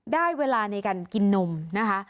ได้เวลาในการกินนมนะคะ